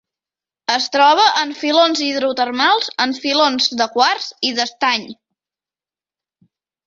Es troba en filons hidrotermals, en filons de quars i d'estany.